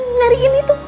eh nyariin itu